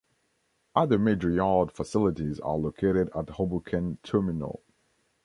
Other major yard facilities are located at Hoboken Terminal.